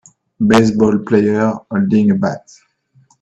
Baseball player holding a bat.